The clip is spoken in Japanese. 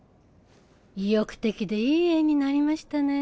意欲的でいい絵になりましたねぇ。